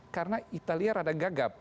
karena italia rada gagap